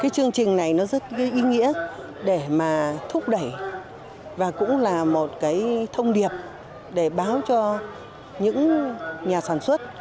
chương trình này rất ý nghĩa để thúc đẩy và cũng là một thông điệp để báo cho những nhà sản xuất